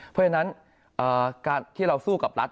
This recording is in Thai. เพราะฉะนั้นการที่เราสู้กับรัฐ